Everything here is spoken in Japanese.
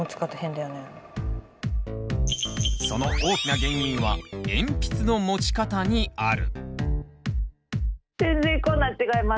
その大きな原因は鉛筆の持ち方にある。